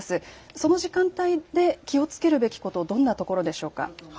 その時間帯で気をつけるべきこと、どんなところでしょうか。